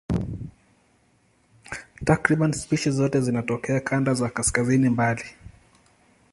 Takriban spishi zote zinatokea kanda za kaskazini mbali.